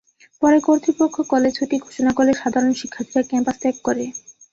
পরে কর্তৃপক্ষ কলেজ ছুটি ঘোষণা করলে সাধারণ শিক্ষার্থীরা ক্যাম্পাস ত্যাগ করে।